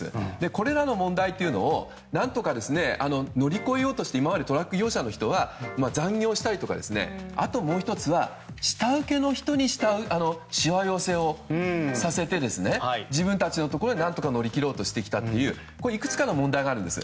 これらの問題を何とか乗り越えようとして今までトラック業者の人は残業したりとかあともう１つは下請けの人にしわ寄せをさせて自分たちのところで何とか乗り切ろうとしたといういくつかの問題があるんです。